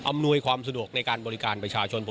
อำนวยความสะดวกในการบริการประชาชน